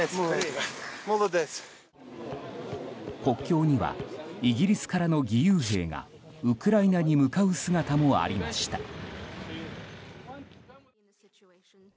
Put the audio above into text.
国境にはイギリスからの義勇兵がウクライナに向かう姿もありました。